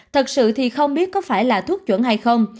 thật sự thì không biết có phải là thuốc chuẩn hay không